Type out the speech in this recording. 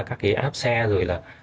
các cái áp xe rồi là